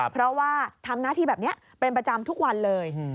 เพราะว่าทำหน้าที่แบบนี้เป็นประจำทุกวันเลย